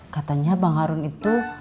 katanya bang harun itu